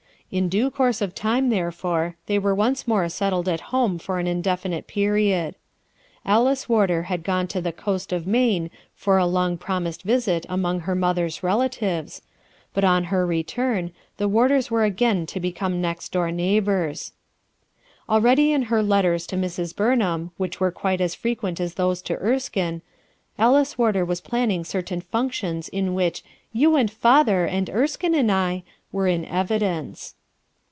In due course of time, therefore they were once more settled at home for ^ indefinite period. Alice Warder had gon e to the coast of Maine for a long promised visit among her mother's relatives, but on her return the Warders were again to become next floor neighbors. Already in her letters to Sirs. Burnham, which were quite as frequent as those to Erskine Alice Warder was planning certain functions in which "You and father, and Erskine and I" were in evidence.